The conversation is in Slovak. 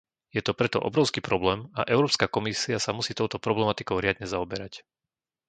Je to preto obrovský problém a Európska komisia sa musí touto problematikou riadne zaoberať.